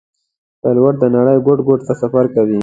پیلوټ د نړۍ ګوټ ګوټ ته سفر کوي.